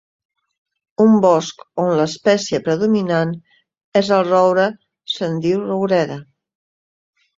Un bosc on l'espècie predominant és el roure se'n diu roureda.